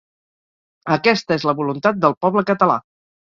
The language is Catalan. Aquesta és la voluntat del poble català.